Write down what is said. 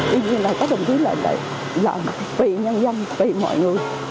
tuy nhiên là các đồng chí đã làm vì nhân dân vì mọi người